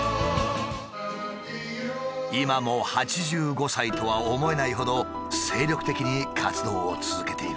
今も８５歳とは思えないほど精力的に活動を続けている。